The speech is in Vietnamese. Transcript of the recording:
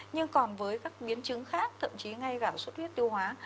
nhưng còn với các biến chứng khác thậm chí ngay cả suốt huyết tiêu hóa